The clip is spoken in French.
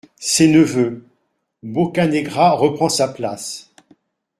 SES NEVEUX.- BOCCANEGRA REPREND SA PLACE.